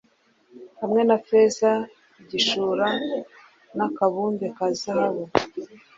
hamwe na feza, igishura, n'akabumbe ka zahabu